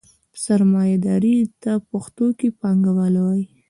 سرمایهداري ته پښتو کې پانګواله وایي.